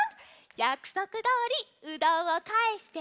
やくそくどおりうどんをかえして！